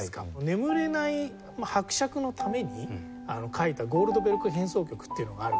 眠れない伯爵のために書いた『ゴルトベルク変奏曲』っていうのがあるんですよ。